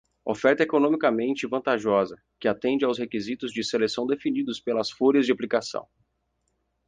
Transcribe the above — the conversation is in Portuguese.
Oferta economicamente vantajosa, que atende aos requisitos de seleção definidos pelas folhas de aplicação.